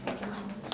serta selamat tinggal